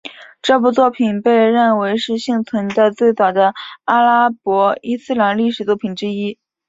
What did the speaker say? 这部作品被认为是幸存的最早的阿拉伯伊斯兰历史作品之一。